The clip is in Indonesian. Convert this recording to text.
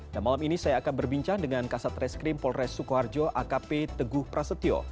dan malam ini saya akan berbincang dengan kasat reskrim polres sukoharjo akp teguh prasetyo